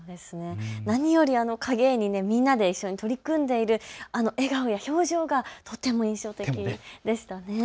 何より影絵にみんなで一緒に取り組んでいる、あの笑顔や表情がとても印象的でしたね。